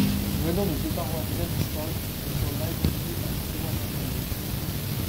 Venant de deux paroisses bien distinctes, elles furent malgré tout assez souvent rassemblées.